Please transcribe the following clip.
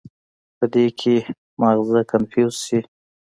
پۀ دې کښې مازغه کنفيوز شي